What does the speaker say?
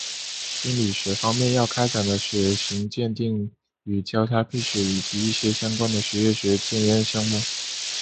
病理学方面要开展的血型鉴定与交叉配血以及一些相关的血液学检验项目。